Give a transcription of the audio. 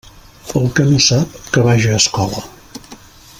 El que no sap, que vaja a escola.